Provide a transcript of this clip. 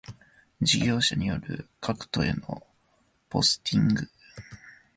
事業者による各戸へのポスティング